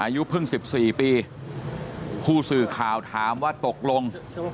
อายุเพิ่ง๑๔ปีผู้สื่อข่าวถามว่าตกลง